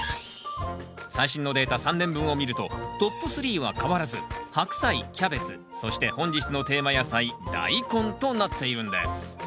最新のデータ３年分を見るとトップスリーは変わらずハクサイキャベツそして本日のテーマ野菜ダイコンとなっているんです